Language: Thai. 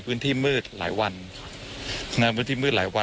คุณทัศนาควดทองเลยค่ะ